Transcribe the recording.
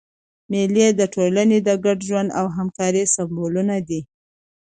مېلې د ټولني د ګډ ژوند او همکارۍ سېمبولونه دي.